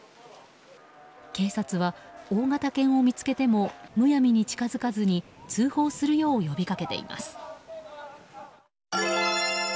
警察は大型犬を見つけてもむやみに近づかずに通報するよう呼びかけています。